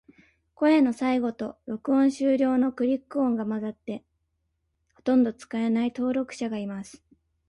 声の最後と、録音終了のクリック音が混ざって、ほとんど使えない登録者がいます。